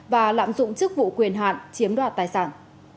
và lạm dụng chức vụ quyền hạn chiếm đoạt tài sản